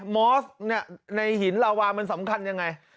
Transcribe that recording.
มอสในหินลาวามันสำคัญยังไง